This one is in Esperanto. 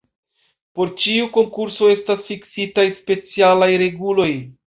Por ĉiu konkurso estas fiksitaj specialaj reguloj.